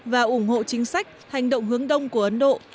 và ủng hộ chính sách hành động hướng đông của ấn độ